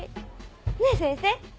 ねっ先生。